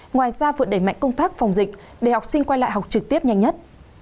ngoài ra vượt đẩy mạnh công tác phòng dịch để học sinh quay lại học trực tiếp nhanh nhất